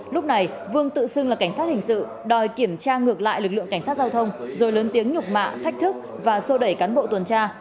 lúc này vương tự xưng là cảnh sát hình sự đòi kiểm tra ngược lại lực lượng cảnh sát giao thông rồi lớn tiếng nhục mạ thách thức và sô đẩy cán bộ tuần tra